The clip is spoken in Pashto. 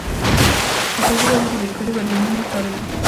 ازادي راډیو د بیکاري بدلونونه څارلي.